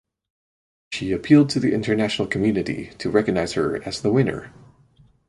She appealed to the international community to recognise her as the winner.